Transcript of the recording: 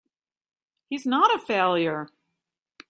He's not a failure!